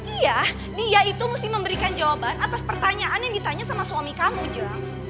iya dia itu mesti memberikan jawaban atas pertanyaan yang ditanya sama suami kamu jawab